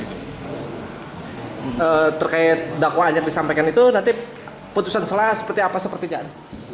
terkait dakwaan yang disampaikan itu nanti putusan selah seperti apa sepertinya